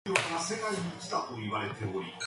Lucas Black left the series during the sixth season.